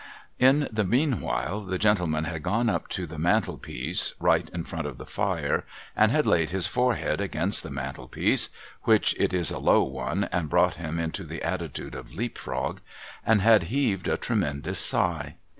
In the meanwhile the gentleman had gone up to the mantel piece, right in front of the fire, and had laid his forehead against the mantelpiece (which it is a low one, and brought him into the attitude of leap frog), and had heaved a tremenjous sigh.